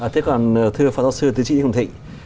thế còn thưa pháp giáo sư tư trịnh hùng thị